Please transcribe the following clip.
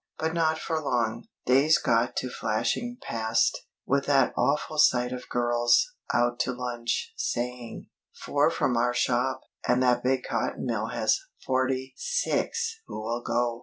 But not for long. Days got to flashing past, with that awful sight of girls, out to lunch, saying: "Four from our shop; and that big cotton mill has forty six who will go."